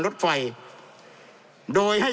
จำนวนเนื้อที่ดินทั้งหมด๑๒๒๐๐๐ไร่